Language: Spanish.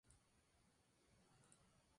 El grupo cambió su nombre por el de Before Today.